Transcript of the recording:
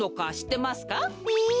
え？